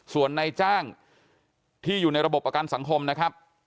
ส่วนในจ้างที่อยู่ในระบบประกันสังคมนะครับ